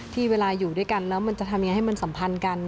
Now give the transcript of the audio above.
เวลาอยู่ด้วยกันแล้วมันจะทำยังไงให้มันสัมพันธ์กัน